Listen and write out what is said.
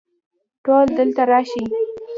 ټول دلته راشئ